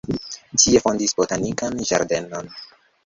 Tie fondis botanikan ĝardenon.